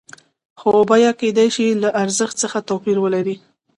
خو بیه کېدای شي له ارزښت څخه توپیر ولري